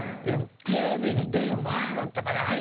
テレビに出る前だったかな？